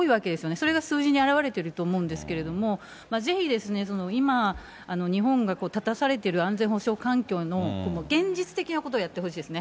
それが数字に表れてると思うんですけれども、ぜひ、今、日本が立たされている安全保障環境の現実的なことをやってほしいですね。